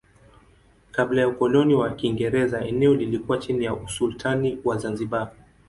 Kabla ya ukoloni wa Kiingereza eneo lilikuwa chini ya usultani wa Zanzibar.